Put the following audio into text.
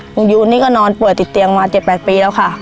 ยูนนี่ก็นอนป่วยติดเตียงมา๗๘ปีแล้วค่ะ